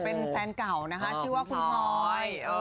เป็นแฟนเก่านะคะชื่อว่าคุณพลอย